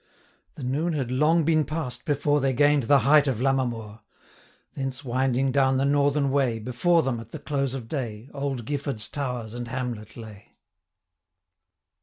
The noon had long been pass'd before They gain'd the height of Lammermoor; Thence winding down the northern way, 20 Before them, at the close of day, Old Gifford's towers and hamlet lay.